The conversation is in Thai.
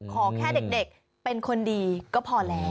ขอแค่เด็กเป็นคนดีก็พอแล้ว